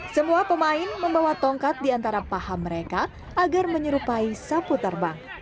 semua pemain membawa tongkat di antara paham mereka agar menyerupai sapu terbang